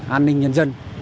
an ninh nhân dân